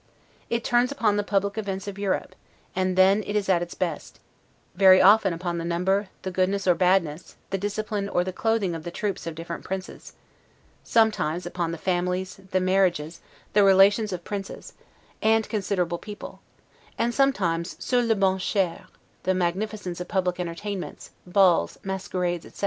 It turns upon the public events of Europe, and then is at its best; very often upon the number, the goodness or badness, the discipline, or the clothing of the troops of different princes; sometimes upon the families, the marriages, the relations of princes, and considerable people; and sometimes 'sur le bon chere', the magnificence of public entertainments, balls, masquerades, etc.